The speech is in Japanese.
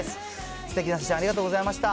すてきな写真、ありがとうございました。